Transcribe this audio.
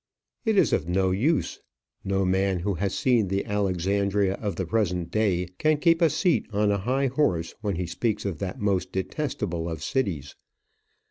It is of no use. No man who has seen the Alexandria of the present day can keep a seat on a high horse when he speaks of that most detestable of cities.